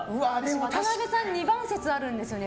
渡辺さん２番説あるんですよね